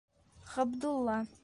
Ғабдулла